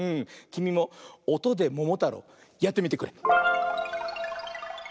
きみも「おとでももたろう」やってみてくれ。